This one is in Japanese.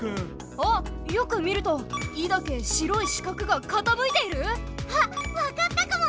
あっよく見ると「イ」だけ白い四角がかたむいている⁉あっわかったかも！